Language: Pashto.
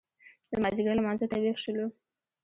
د مازیګر لمانځه ته وېښ شولو.